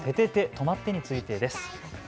とまって！についてです。